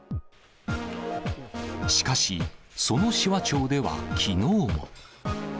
しかし、その紫波町ではきのうも。